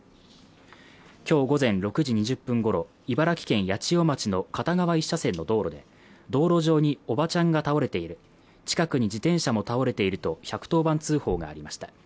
今日午前６時２０分ごろ茨城県八千代町の片側１車線の道路で道路上におばちゃんが倒れている近くに自転車も倒れていると１１０番通報がありました